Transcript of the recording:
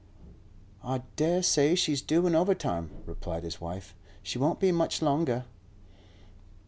'I daresay she's doin' overtime,' replied his wife. 'She won't be much longer.